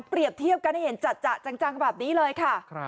เทียบกันให้เห็นจัดจังแบบนี้เลยค่ะ